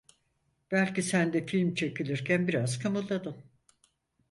Belki sen de film çekilirken biraz kımıldadın…